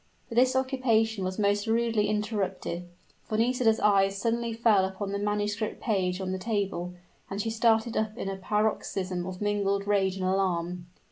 But this occupation was most rudely interrupted: for Nisida's eyes suddenly fell upon the manuscript page on the table; and she started up in a paroxysm of mingled rage and alarm.